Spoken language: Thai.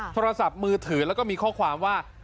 โทรศัพท์มือถือแล้วก็มีข้อความว่า